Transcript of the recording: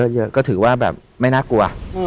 เยอะก็ถือว่าแบบไม่น่ากลัว